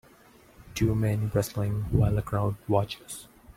Two men wrestling while a crowd watches.